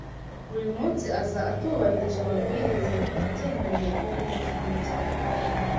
Buri munsi aza atubahirije amabwiriza agendanye na covid cumi n'icyenda